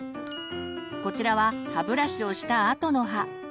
こちらは歯ブラシをしたあとの歯。